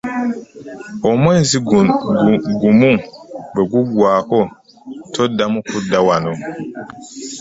Omwezi guno bwe guggwako toddamu kudda wano.